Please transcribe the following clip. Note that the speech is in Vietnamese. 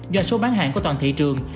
do số bán hàng của toàn thị trường